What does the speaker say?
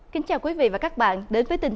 kính chào quý vị và các bạn